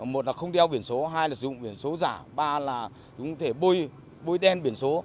một là không đeo biển số hai là sử dụng biển số giả ba là cũng có thể bôi đen biển số